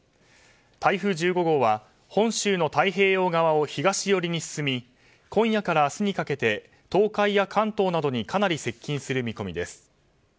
台風１５号は本州の太平洋側を東寄りに進み今夜から明日にかけて東海や関東などにかなり接近する見込みです。